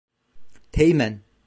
Teğmen.